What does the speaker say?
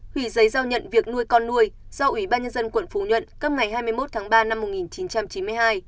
hủy giấy giao nhận việc nuôi con nuôi do ủy ban nhân dân quận phú nhuận cấp ngày hai mươi một tháng ba năm một nghìn chín trăm chín mươi hai